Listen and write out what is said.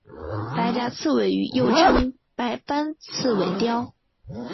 白颊刺尾鱼又称白斑刺尾鲷。